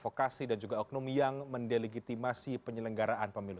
mungkin juga provokasi dan juga oknum yang mendilegitimasi penyelenggaraan pemilu